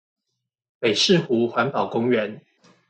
北勢湖環保公園